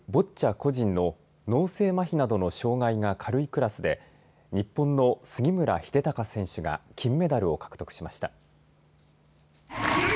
個人の脳性まひなどの障がいが軽いクラスで日本の杉村英孝選手が金メダルを獲得しました。